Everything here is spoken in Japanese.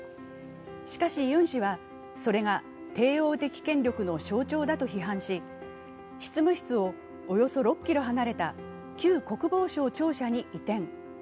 しかし、ユン氏はそれが帝王的権力の象徴だと批判し、執務室をおよそ６ｋｍ離れた旧国防省庁舎に移転。